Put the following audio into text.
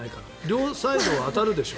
両サイドは当たるでしょ？